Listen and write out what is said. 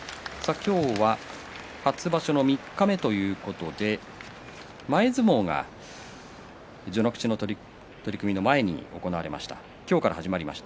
今日は初場所の三日目ということで前相撲が序ノ口の取組の前にありました。